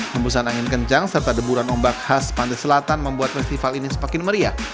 hembusan angin kencang serta deburan ombak khas pantai selatan membuat festival ini semakin meriah